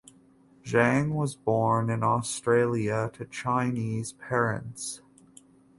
Zhang was born in Australia to Chinese parents.